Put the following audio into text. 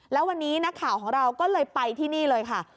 แล้ววันนี้นักข่าวของเราก็เลยไปที่นี่เลยค่ะ